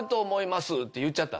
て言っちゃった。